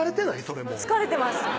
それ疲れてます